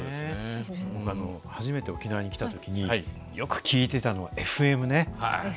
初めて沖縄に来た時によく聞いてたのはＦＭね。